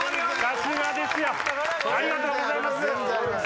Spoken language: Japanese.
ありがとうございます。